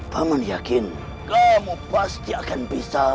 paman yakin kamu pasti akan bisa